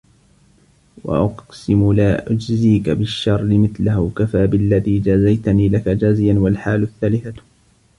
وَأُقْسِمُ لَا أَجْزِيكَ بِالشَّرِّ مِثْلَهُ كَفَى بِاَلَّذِي جَازَيْتنِي لَك جَازِيَا وَالْحَالُ الثَّالِثَةُ